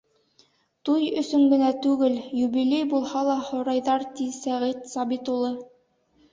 — Туй өсөн генә түгел, юбилей булһа ла һорайҙар, — ти Сәғит Сабит улы.